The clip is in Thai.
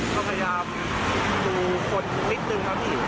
ก็พยายามดูคนนิดนึงครับพี่